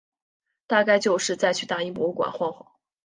大概就是再去大英博物馆晃晃